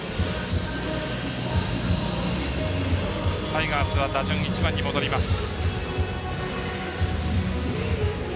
タイガースは打順１番に戻ります。